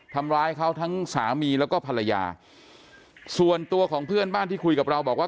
ทำร้ายเขาทั้งสามีแล้วก็ภรรยาส่วนตัวของเพื่อนบ้านที่คุยกับเราบอกว่า